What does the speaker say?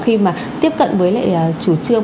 khi mà tiếp cận với lệ chủ trương